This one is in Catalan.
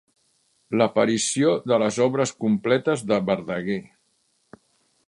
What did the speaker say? L'aparició de les obres completes de Verdaguer.